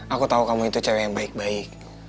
aku tau kamu itu cewe yang baik baik